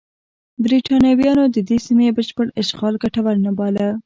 برېټانویانو د دې سیمې بشپړ اشغال ګټور نه باله.